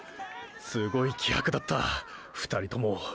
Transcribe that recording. すごい気迫だった２人とも！！